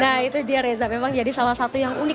nah itu dia reza memang jadi salah satu yang unik